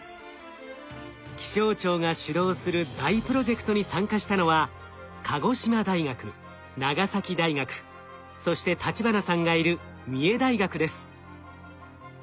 気象庁が主導する大プロジェクトに参加したのは鹿児島大学長崎大学そして立花さんがいる三重大学です。